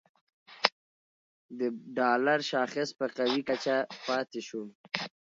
د ډالر شاخص په قوي کچه پاتې شو